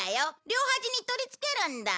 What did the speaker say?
両端に取りつけるんだ。